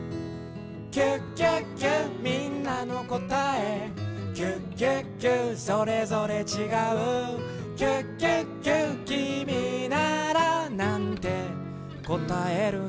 「キュキュキュみんなのこたえ」「キュキュキュそれぞれちがう」「キュキュキュきみならなんてこたえるの？」